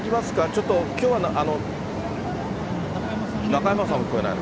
ちょっときょう、中山さんも聞こえない？